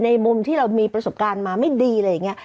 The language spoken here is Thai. มุมที่เรามีประสบการณ์มาไม่ดีอะไรอย่างนี้